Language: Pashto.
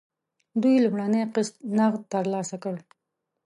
دوی لومړنی قسط نغد ترلاسه کړ.